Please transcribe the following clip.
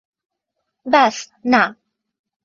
বায, না!